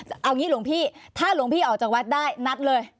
เอางี้หลวงพี่ถ้าหลวงพี่ออกจากวัดได้นัดเลย